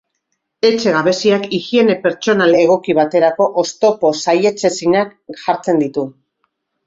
Etxe gabeziak higiene pertsonal egoki baterako oztopo saihetsezinak jartzen ditu.